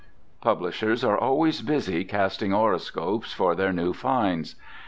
Publishers are always busy casting horoscopes for their new finds.